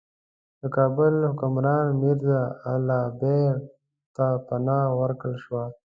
د کابل حکمران میرزا الغ بېګ ته پناه ورکړل شوه.